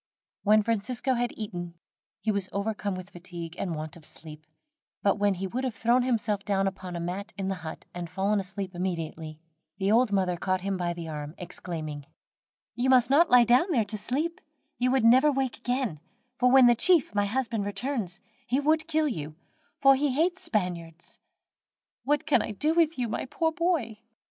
When Francisco had eaten, he was overcome with fatigue and want of sleep, but when he would have thrown himself down upon a mat in the hut, and fallen asleep immediately, the old mother caught him by the arm, exclaiming: "You must not lie down there to sleep, you would never wake again; for when the chief, my husband, returns, he would kill you, for he hates the Spaniards. What can I do with you, my poor boy?"